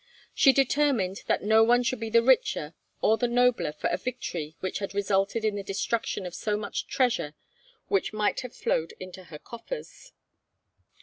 She determined that no one should be the richer or the nobler for a victory which had resulted in the destruction of so much treasure which might have flowed into her coffers.